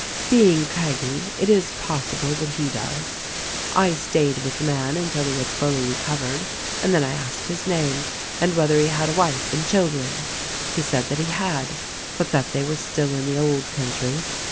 Being Craggie, it is possible that he does. I staid with the man until he had fully recovered and then I asked his name and whether he had a wife and children. He said that he had, but that they were still in the old country.